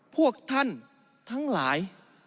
พวกท่านทั้งหลาย